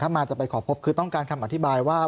มาจะไปขอพบคือต้องการคำอธิบายว่า